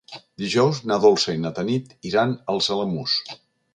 Dijous na Dolça i na Tanit iran als Alamús.